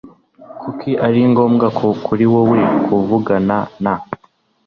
Kuki ari ngombwa kuri wowe kuvugana na ?